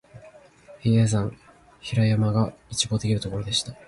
比叡山、比良山が一望できるところでした